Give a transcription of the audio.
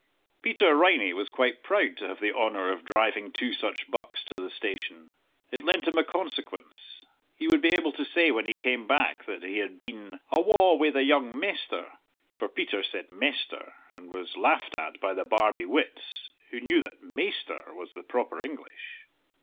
Peter Riney was quite proud to have the honour of driving two such bucks to the station. It lent him a consequence; he would be able to say when he came back that he had been "awa wi' the young mester" for Peter said "mester," and was laughed at by the Barbie wits who knew that "maister" was the proper English.